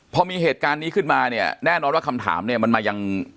พอมีเหตุการณ์นี้ขึ้นมาเนี่ยแน่นอนว่าคำถามเนี่ยมันมายัง